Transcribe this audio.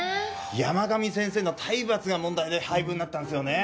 山上先生の体罰が問題で廃部になったんですよね。